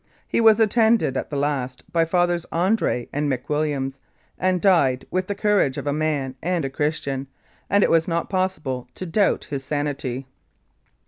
He was attended at the last by Fathers Andre and McWilliams, and died with the courage of a man and a Christian, and it was not possible to doubt his sanity.